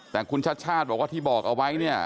แต่คุณชัดบอกว่าที่บอกเอาไว้